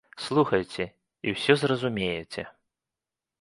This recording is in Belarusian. Слухайце, і ўсё зразумееце.